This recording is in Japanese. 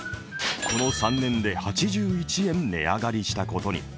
この３年で８１円値上がりしたことに。